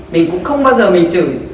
mình cũng không bao giờ mình chửi